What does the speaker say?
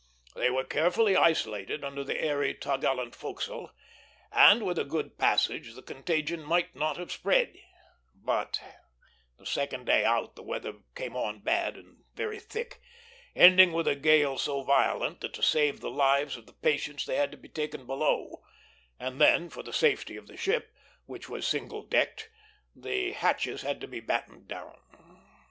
These were carefully isolated under the airy topgallant forecastle, and with a good passage the contagion might not have spread; but the second day out the weather came on bad and very thick, ending with a gale so violent that to save the lives of the patients they had to be taken below, and then, for the safety of the ship, which was single decked, the hatches had to be battened down.